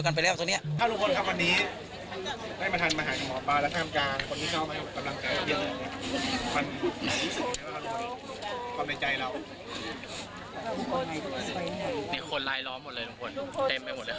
วันนี้คนเยอะมาก